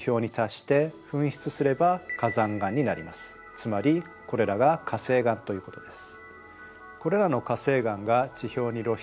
つまりこれらが火成岩ということです。